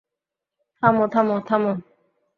থামো থামো থামো।